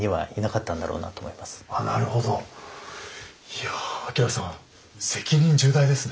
いや明さん責任重大ですね。